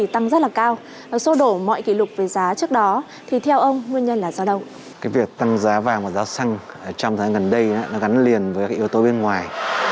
trong thời gian gần đây nó gắn liền với yếu tố bên ngoài